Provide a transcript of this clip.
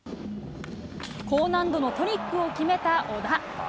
高難度のトリックを決めた織田。